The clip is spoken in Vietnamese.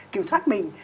kiểm soát mình